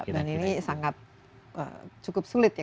dan ini sangat cukup sulit ya